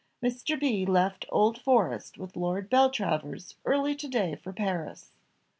Mr. B. left Old Forest with Lord Beltravers early to day for Paris.